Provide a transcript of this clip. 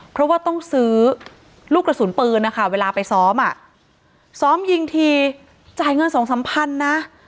เพราะว่าต้องซื้อลูกกระสุนปืนนะคะเวลาไปซ้อมอ่ะซ้อมยิงทีจ่ายเงินสองสามพันนะ